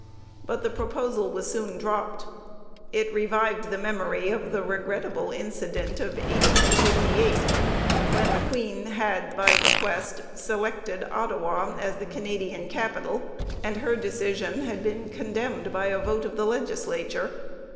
But the proposal was soon dropped. It revived the memory of the regrettable incident of 1858 when the Queen had, by request, selected Ottawa as the Canadian capital and her decision had been condemned by a vote of the legislature.